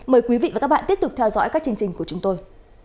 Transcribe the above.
mời quý vị và các bạn tiếp tục theo dõi các chương trình của chúng tôi